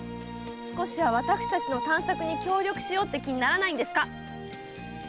少しは私たちの探索に協力しようって気にならないの？